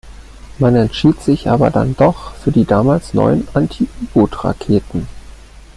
Man entschied sich aber dann doch für die damals neuen Anti-U-Boot-Raketen.